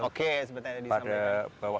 oke sebetulnya di sana